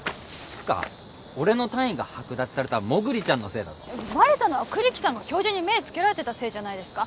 つか俺の単位が剥奪されたらモグリちゃんのせいだぞバレたのは栗木さんが教授に目つけられてたせいじゃないですか